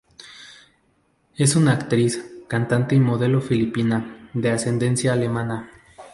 Es una actriz, cantante y modelo filipina, de ascendencia alemana.